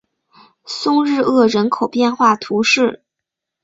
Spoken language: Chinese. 松日厄人口变化图示